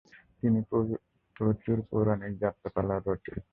তিনি প্রচুর পৌরাণিক যাত্রাপালার রচয়িতা।